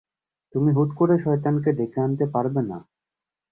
তুমি হুট করে শয়তানকে ডেকে আনতে পারবেনা।